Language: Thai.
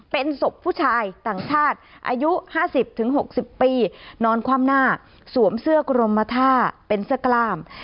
เป็นศพผู้ชายต่างชาติอายุ๕๐๖๐ปีนอนคว่ำหน้าสวมเสื้อกรมท่าเป็นเสื้อกล้าม